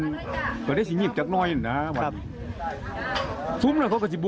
แต่ก็ได้สิ่งมีมกับกระโคมชาติน้อยนะครับ